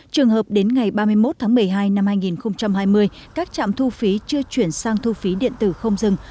trường hợp đến ngày ba mươi một tháng một mươi hai năm hai nghìn hai mươi các trạm thu phí chưa chuyển sang thu phí điện tử không dừng